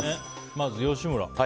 まず吉村。